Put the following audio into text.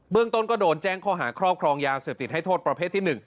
เรื่องต้นก็โดนแจ้งข้อหาครอบครองยาเสพติดให้โทษประเภทที่๑